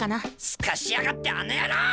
すかしやがってあの野郎！